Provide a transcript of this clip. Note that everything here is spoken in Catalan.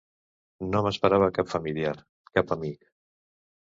No m'esperava cap familiar, cap amic.